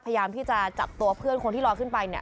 พยายามที่จะจับตัวเพื่อนคนที่ลอยขึ้นไปเนี่ย